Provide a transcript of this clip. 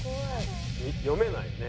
読めないよね。